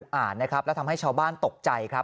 ให้เราติดอ่านเนี้ยครับแล้วทำให้ชาวบ้านตกใจครับ